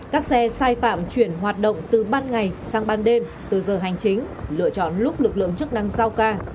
các xe sai phạm chuyển hoạt động từ ban ngày sang ban đêm từ giờ hành chính lựa chọn lúc lực lượng chức năng giao ca